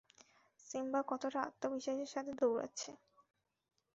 Simba কতটা আত্মবিশ্বাসের সাথে দৌড়াচ্ছে!